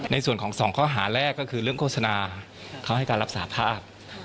ในส่วนของสองข้อหาแรกก็คือเรื่องโฆษณาเขาให้การรับสาภาพ